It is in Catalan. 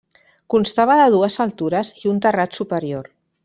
Constava de dues altures i un terrat superior.